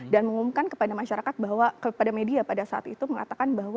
dan mengumumkan kepada masyarakat bahwa kepada media pada saat itu mengatakan bahwa